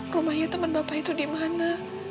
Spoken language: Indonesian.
rumahnya temen bapak itu dimana